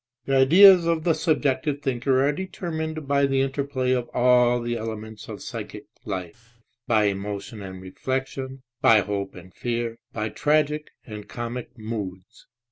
The ideas of the subjective thinker are deter mined by the interplay of all the elements of psychic life, by emotion and reflection, by hope and fear, by tragic and comic moods.